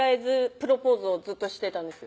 プロポーズをずっとしてたんですよ